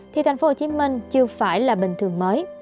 thì thành phố hồ chí minh chưa phải là bình thường mới